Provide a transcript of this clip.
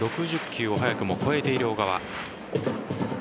６０球を早くも超えている小川。